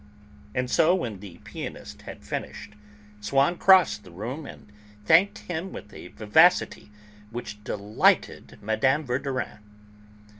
And so, when the pianist had finished, Swann crossed the room and thanked him with a vivacity which delighted Mme. Verdurin.